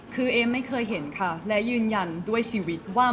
คือเอมไม่เคยเห็นค่ะและยืนยันด้วยชีวิตว่า